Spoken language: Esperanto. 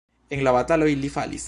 En la bataloj li falis.